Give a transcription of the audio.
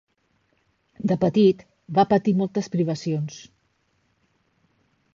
De petit va patir moltes privacions.